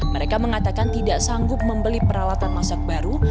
mereka mengatakan tidak sanggup membeli peralatan masak baru